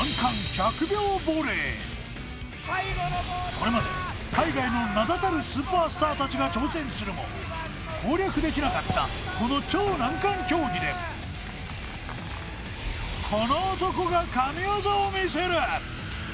これまで海外の名だたるスーパースターたちが挑戦するも攻略できなかったこの超難関競技でこの男が神業をみせる！